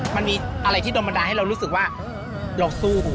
มันมีอะไรที่โดนบันดาลให้เรารู้สึกว่าเราสู้